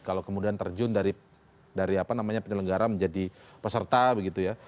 kalau kemudian terjun dari apa namanya penyelenggara menjadi peserta begitu ya